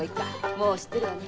もう知ってるわね。